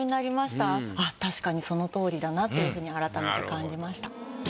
確かにそのとおりだなという風に改めて感じました。